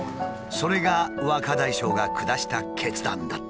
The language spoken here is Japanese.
それが若大将が下した決断だった。